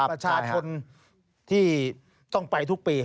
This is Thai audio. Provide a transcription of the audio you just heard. ประชาชนที่ต้องไปทุกปี